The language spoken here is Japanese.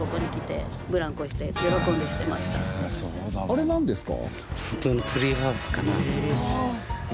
あれなんですか？